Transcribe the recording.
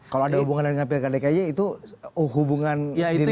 kalau ada hubungan dengan pilkada dki itu hubungan di luar itu